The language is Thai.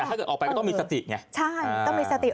ถ้าเกิดออกไปก็ต้องมีสติไงใช่ต้องมีสติ